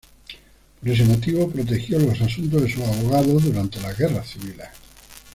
Por ese motivo protegió los asuntos de su abogado durante las guerras civiles.